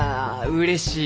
うれしい？